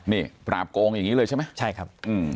นี่ปราบโครงอย่างนี้เลยใช่ไหม